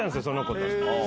その子と。